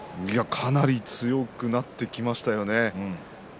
かなり強くなってきましたよね。